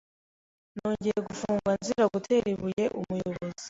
Nongeye gufungwa nzira gutera ibuye umuyobozi